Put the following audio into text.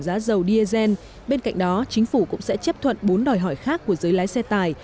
giá dầu diesel bên cạnh đó chính phủ cũng sẽ chấp thuận bốn đòi hỏi khác của giới lái xe tài